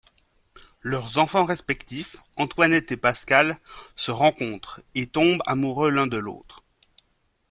Leurs enfants respectifs, Antoinette et Pascal, se rencontrent et tombent amoureux l'un de l'autre.